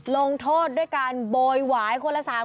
ลงโทษด้วยการบ่อยหวายคนละ๓ครั้ง